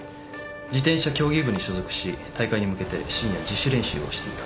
自転車競技部に所属し大会に向けて深夜自主練習をしていた。